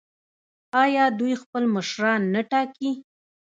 آیا دوی خپل مشران نه ټاکي؟